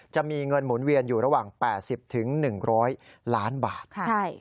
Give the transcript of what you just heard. จะมีเงินหมุนเวียนอยู่ระหว่าง๘๐๑๐๐ล้านบาท